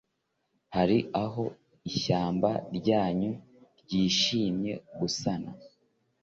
Hari aho ishyamba ryanyu ryishimye gusana